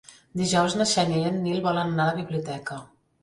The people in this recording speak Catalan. Dijous na Xènia i en Nil volen anar a la biblioteca.